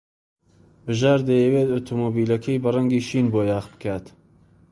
بژار دەیەوێت ئۆتۆمۆبیلەکەی بە ڕەنگی شین بۆیاغ بکات.